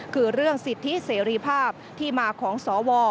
คือเรื่องสิทธิเสรีภาพที่มาของสว